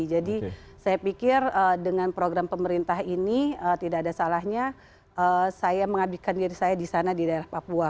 jadi saya pikir dengan program pemerintah ini tidak ada salahnya saya mengabdikan diri saya di sana di daerah papua